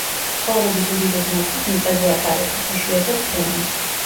ცხოვრების უდიდეს ნაწილს მიწაზე ატარებენ, იშვიათად ფრენენ.